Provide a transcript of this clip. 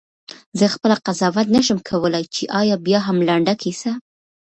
زه خپله قضاوت نه شم کولای چې آیا بیاهم لنډه کیسه؟ …